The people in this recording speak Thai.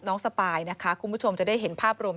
สปายนะคะคุณผู้ชมจะได้เห็นภาพรวม